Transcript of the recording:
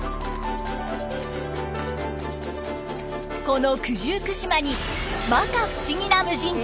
この九十九島にまか不思議な無人島が。